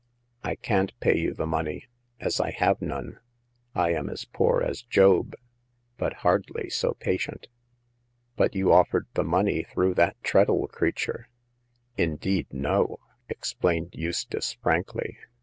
I can't pay you the money, as I have none. I am as poor as Job, but hardly so patient." " But you offered the money through that Treadle creature." Indeed no !" explained Eustace, frankly.